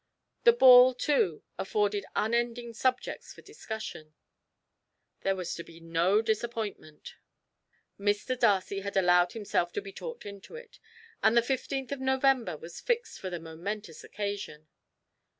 The ball, too, afforded unending subjects for discussion. There was to be no disappointment; Mr. Darcy had allowed himself to be talked into it, and the fifteenth of November was fixed for the momentous occasion.